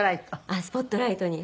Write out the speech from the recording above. あっスポットライトに。